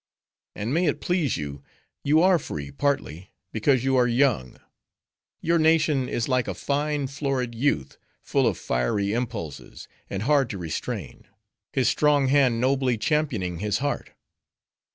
"And, may it please you, you are free, partly, because you are young. Your nation is like a fine, florid youth, full of fiery impulses, and hard to restrain; his strong hand nobly championing his heart.